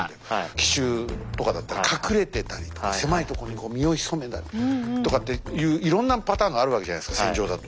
奇襲とかだったら隠れてたりとか狭いとこに身を潜めたりとかっていういろんなパターンがあるわけじゃないですか戦場だと。